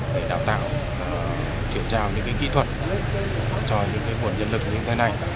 để đào tạo chuyển giao những kỹ thuật cho những nguồn nhân lực như thế này